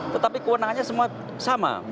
tetapi kewenangannya semua sama